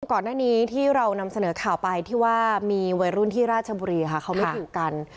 ก่อนหน้านี้ที่เรานำเสนอข่าวไปที่ว่ามีวัยรุ่นที่ราชบุรีค่ะเขาไม่ถูกกัน